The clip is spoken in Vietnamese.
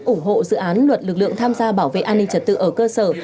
ủng hộ dự án luật lực lượng tham gia bảo vệ an ninh trật tự ở cơ sở